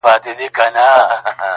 هم خوارځواکی هم ناروغه هم نېستمن وو!.